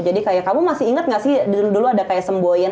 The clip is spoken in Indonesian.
jadi kamu masih ingat gak sih dulu ada kayak semboyan